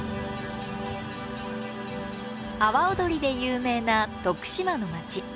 阿波おどりで有名な徳島の街。